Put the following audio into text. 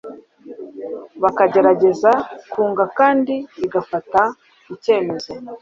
bakagerageza kunga kandi igafata icyemezo